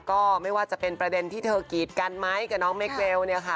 ก็ไม่ว่าจะเป็นประเด็นที่เธอกีดกันไหมกับน้องเมลเนี่ยค่ะ